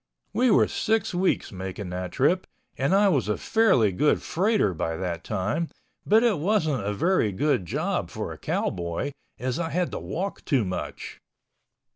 We were six weeks making that trip, and I was a fairly good freighter by that time, but it wasn't a very good job for a cowboy, as I had to walk too much.